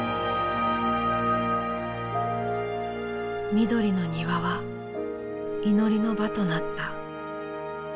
緑の庭は祈りの場となった。